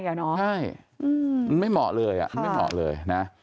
ใช่ว่าไม่เหมาะเลย